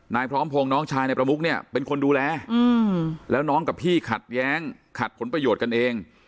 พร้อมพงศ์น้องชายนายประมุกเนี่ยเป็นคนดูแลแล้วน้องกับพี่ขัดแย้งขัดผลประโยชน์กันเอง